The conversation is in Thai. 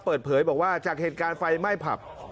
เปิดเผยบอกว่าจากเหตุการณ์ไฟไหม้ผับ